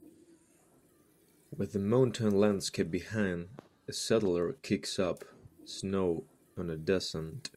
With a mountain landscape behind, a sledder kicks up snow on a descent.